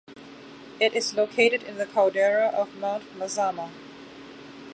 It is located in the caldera of Mount Mazama.